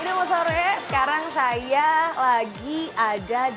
ini mau sore sekarang saya lagi ada di